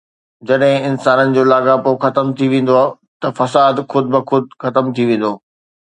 جڏهن انسانن جو لاڳاپو ختم ٿي ويندو ته فساد خود بخود ختم ٿي ويندو